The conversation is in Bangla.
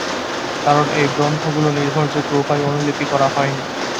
কারণ এই গ্রন্থগুলো নির্ভরযোগ্য উপায়ে অনুলিপি করা হয়নি।